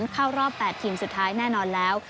เข้ารอบ๘ทีมสุดท้ายแน่นอนแล้ว